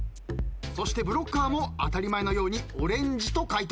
そしてブロッカーも当たり前のように「オレンジ」と解答。